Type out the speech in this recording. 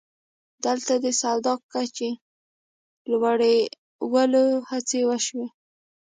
دلته د سواد کچې لوړولو هڅې وشوې